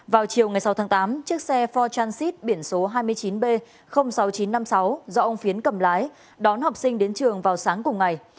vào chiều ngày sáu tháng tám chiếc xe for transit biển số hai mươi chín b sáu nghìn chín trăm năm mươi sáu do ông phiến cầm lái đón học sinh đến trường vào sáng cùng ngày